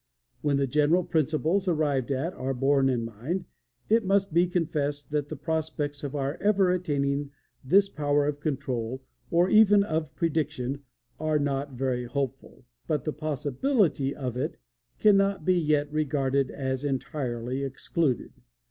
When the general principles arrived at are borne in mind, it must be confessed that the prospects of our ever attaining this power of control or even of prediction are not very hopeful, but the possibility of it cannot be yet regarded as entirely excluded.